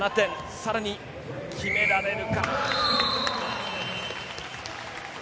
さらに決められるか。